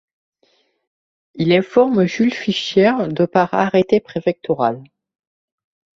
Il informe Jules Fischer de par arrêté préfectoral.